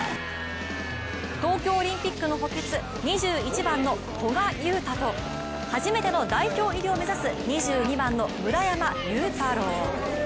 東京オリンピックの補欠、２１番の古賀友太と初めての代表入りを目指す２２番の村山裕太郎。